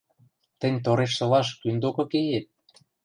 Тӹнь Торешсолаш кӱн докы кеет?